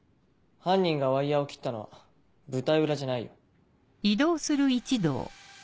犯人がワイヤを切ったのは舞台裏じゃないよ。